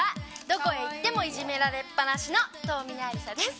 どこへ行ってもいじめられっぱなしの遠峯ありさです。